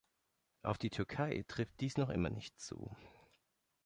Auf die Türkei trifft dies noch immer nicht zu.